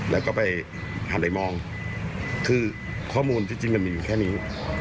แล้วก็ไปหันไปมองคือข้อมูลที่จริงมันมีอยู่แค่นี้